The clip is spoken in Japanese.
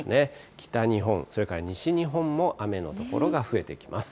北日本、それから西日本も雨の所が増えてきます。